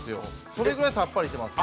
それぐらいさっぱりしてます。